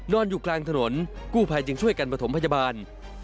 อยู่กลางถนนกู้ภัยจึงช่วยกันประถมพยาบาล